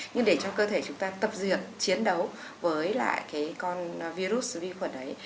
nhưng để cho cơ thể chúng ta tập diện chiến đấu với lại con virus vi khuẩn ấy